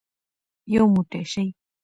یو موټی شئ.